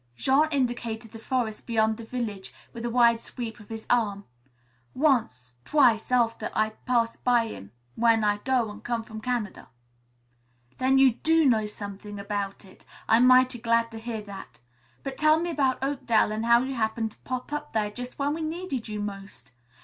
Jean indicated the forest beyond the village with a wide sweep of his arm. "Once, twice, after, I pass by him w'en I go an' come from Canada." "Then you do know something about it? I'm mighty glad to hear that. But tell me about Oakdale and how you happened to pop up there just when we needed you most.